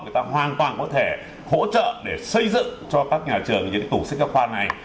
người ta hoàn toàn có thể hỗ trợ để xây dựng cho các nhà trường những tủ sách giáo khoa này